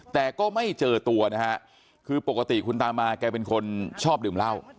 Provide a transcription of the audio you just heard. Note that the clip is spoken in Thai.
แต่ก็ไม่เจอตัวนะฮะคือปกติคุณตามาแกเป็นคนชอบดื่มเหล้า